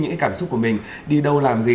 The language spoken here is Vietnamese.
những cái cảm xúc của mình đi đâu làm gì